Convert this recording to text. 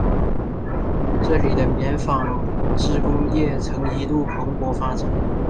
这里的棉纺织工业曾一度蓬勃发展。